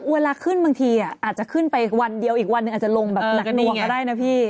เวลาขึ้นบางทีอาจจะขึ้นไปวันเดียวอีกวันหนึ่งอาจจะลงแบบหนักหน่วงก็ได้นะพี่